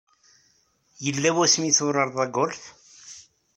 Yella wasmi ay turareḍ agolf?